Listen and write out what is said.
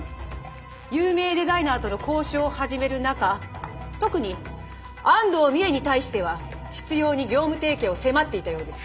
有名デザイナーとの交渉を始める中特に安藤美絵に対しては執拗に業務提携を迫っていたようです。